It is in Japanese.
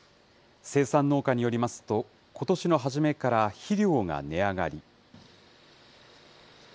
生産農家によりますと、ことしの初めから肥料が値上がり。